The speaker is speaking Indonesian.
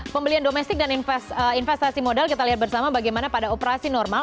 pembelian domestik dan investasi modal kita lihat bersama bagaimana pada operasi normal